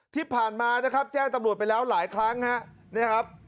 ที่ผ่านมานะครับแจ้งตำรวจไปแล้วหลายครั้งฮะเนี่ยครับ